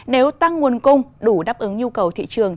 nếu tăng nguồn cung đủ đáp ứng nhu cầu thị trường